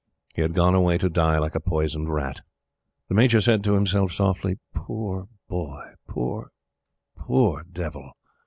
He had gone away to die like a poisoned rat! The Major said to himself softly: "Poor Boy! Poor, POOR devil!"